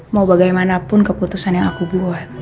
mau bagaimanapun keputusan yang aku buat